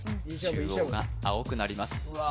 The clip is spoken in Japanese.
中央が青くなりますわ